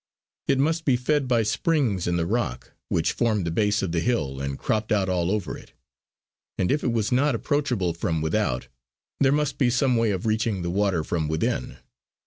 It must be fed by springs in the rock which formed the base of the hill and cropped out all over it; and if it was not approachable from without, there must be some way of reaching the water from within.